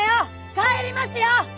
帰りますよ！